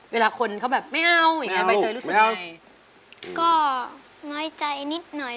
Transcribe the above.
เวลาขนเขาแบบไม่เอาไม่เอาไม่เอาไม่เอาก็น้อยใจนิดหน่อย